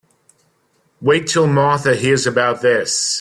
Wait till Martha hears about this.